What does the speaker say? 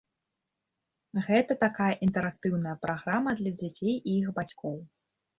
Гэта такая інтэрактыўная праграма для дзяцей і іх бацькоў.